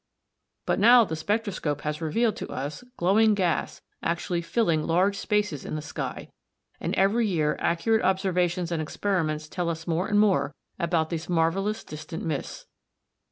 But now the spectroscope has revealed to us glowing gas actually filling large spaces in the sky, and every year accurate observations and experiments tell us more and more about these marvellous distant mists.